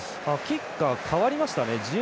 キッカー代わりましたね。